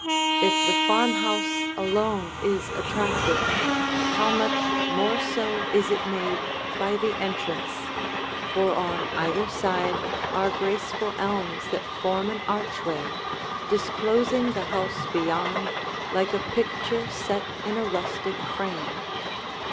If the farmhouse alone is attractive, how much more so is it made by the entrance, for on either side are graceful elms that form an archway, disclosing the house beyond like a picture set in a rustic frame.